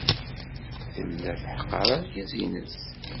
Tella teḥqer argaz-nnes.